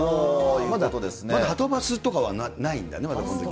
まだはとバスとかはないんだな、このときは。